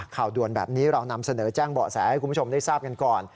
ข่าวด่วนแบบนี้เรานำเสนอแจ้งเบาะแสให้คุณผู้ชมได้ทราบกันก่อน